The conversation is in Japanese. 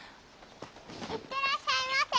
行ってらっしゃいませ！